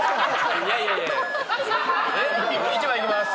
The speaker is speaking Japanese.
１番いきます。